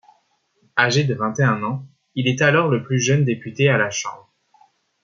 Âgé de vingt-et-un ans, il est alors le plus jeune député à la Chambre.